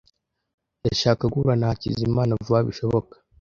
Ndashaka guhura na Hakizimana vuba bishoboka.